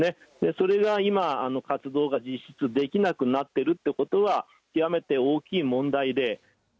それが今、活動が実質、できなくなってるってことは極めて大きい問題で。